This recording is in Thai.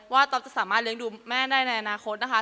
ต๊อปจะสามารถเลี้ยงดูแม่ได้ในอนาคตนะคะ